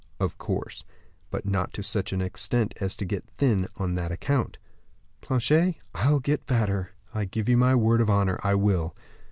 "Of course; but not to such an extent as to get thin on that account." "Planchet, I'll get fatter; I give you my word of honor I will."